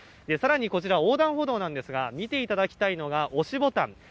さらに、こちら横断歩道なんですが、見ていただきたいのが、押しボタン。